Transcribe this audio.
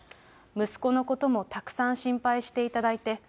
息子のこともたくさん心配していただいて。